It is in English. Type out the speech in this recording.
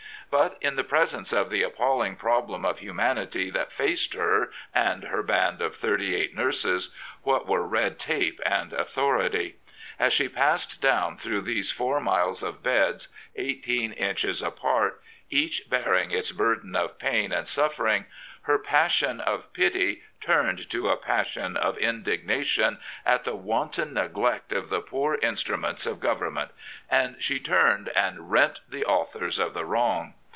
But in the presence of the appalling problem of humanity that faced her and her band of thirty eight nurses, what were red tape and authority? As she passed down through those four miles of beds, eighteen inches apart, each bearing its burden of pain and suffering, her passion of pity turned to a passion of indignation at the wanton neglect of the poor instru ments of government, and she turned and rent the authors of the wrong.